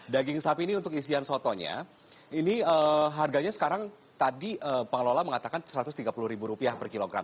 daging sapi ini untuk isian sotonya ini harganya sekarang tadi pengelola mengatakan rp satu ratus tiga puluh per kilogram